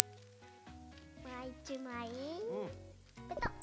もう１まいペトッ。